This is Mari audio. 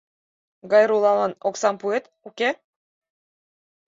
Гайруллалан оксам пуэт, уке?